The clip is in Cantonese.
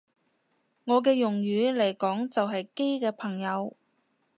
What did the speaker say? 我嘅用語嚟講就係基嘅朋友